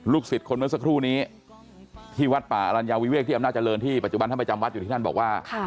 สิทธิ์คนเมื่อสักครู่นี้ที่วัดป่าอรัญญาวิเวกที่อำนาจริงที่ปัจจุบันท่านไปจำวัดอยู่ที่ท่านบอกว่า